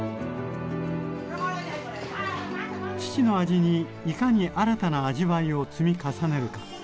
父の味にいかに新たな味わいを積み重ねるか。